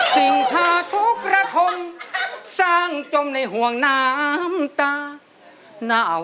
สิ่งทาทุกระทมสร้างจมในห่วงน้ำตาอ้าว